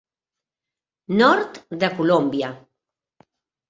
Nord de Colòmbia.